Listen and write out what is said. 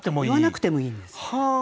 言わなくてもいいんです。